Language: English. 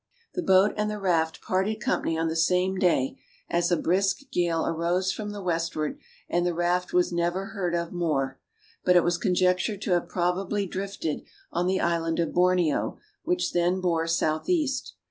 The boat and the raft parted company on the same day, as a brisk gale arose from the westward, and the raft was never heard of more; but it was conjectured to have probably drifted on the island of Borneo, which then bore south east.